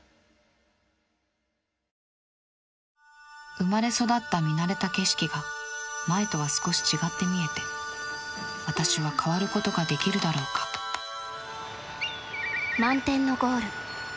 生まれ育った見慣れた景色が前とは少し違って見えて私は変わることができるだろうか「満天のゴール」。